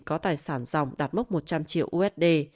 có tài sản dòng đạt mốc một trăm linh triệu usd